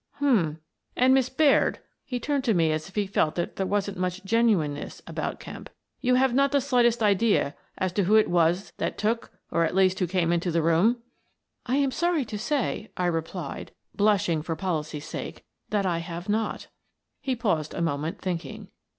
" Hum ! And, Miss Baird "— he turned to me as if he felt that there wasn't much genuineness about Kemp —" you have not the slightest idea as to who it was that took — or at least who came into the room?" " I am sorry to say," I replied, blushing for pol icy's sake, " that I have not." He paused a moment, thinking.